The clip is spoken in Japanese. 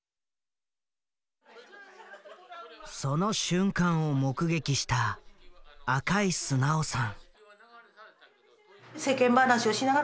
その瞬間を目撃した赤井直さん。